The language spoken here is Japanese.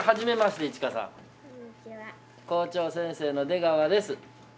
校長先生の出川です。